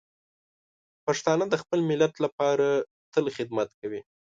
پښتانه د خپل ملت لپاره تل خدمت کوي.